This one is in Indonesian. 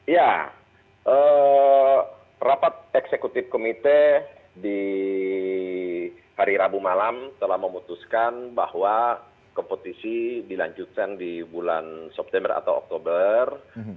ya rapat eksekutif komite di hari rabu malam telah memutuskan bahwa kompetisi dilanjutkan di bulan september atau oktober